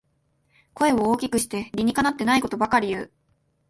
声を大きくして理にかなってないことばかり言う